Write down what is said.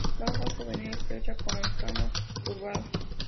La hoja juvenil estrecha, como escama, curvada.